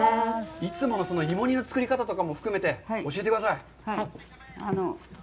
いつもの芋煮の作り方も含めて教えてください。